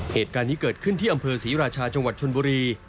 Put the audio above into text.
เหตุการณ์นี้เกิดขึ้นที่อำเภอศรีราชาจังหวัดชนบุรี